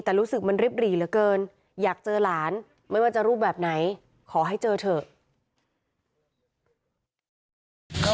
แต่รู้สึกมันริบหรี่เหลือเกินอยากเจอหลานไม่ว่าจะรูปแบบไหนขอให้เจอเถอะ